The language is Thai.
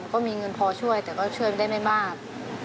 มันก็มีเงินพอช่วยแต่ก็ช่วยไม่ได้แม่บ้าน